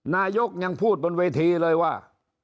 นายกยังพูดบนเวทีเลยว่า